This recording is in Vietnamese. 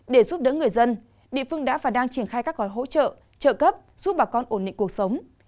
để giúp đỡ người dân địa phương đã và đang triển khai các gói hỗ trợ trợ cấp giúp bà con ổn định cuộc sống